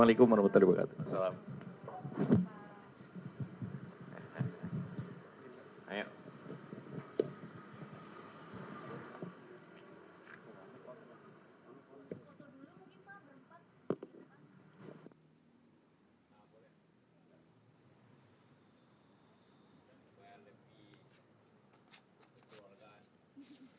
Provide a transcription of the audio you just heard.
ya golkar berkomunikasi dengan semua partai